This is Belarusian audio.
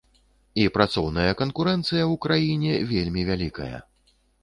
І працоўная канкурэнцыя ў краіне вельмі вялікая.